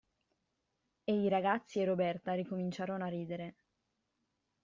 E i ragazzi e Roberta ricominciarono a ridere.